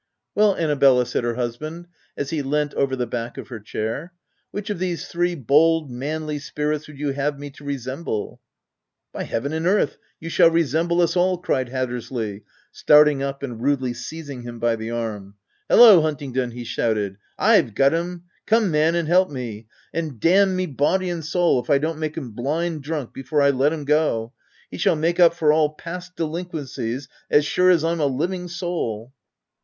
" Well, Annabella," said her husband, as he leant over the back of her chair, " which of these three c bold, manly spirits " would you have me to resemble V " By heaven and earth, you shall resemble us all \" cried Hattersley, starting up and rudely seizing him by the arm. " Hallo Hunt ingdon !" he shouted —" Pve got him ! Come, man, and help me ! And d — n me body and soul if I don't make him blind drunk before I let him go ! He shall make up for all past de linquencies as sure as I'm a living soul